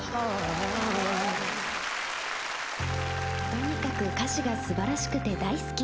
「とにかく歌詞が素晴らしくて大好き」。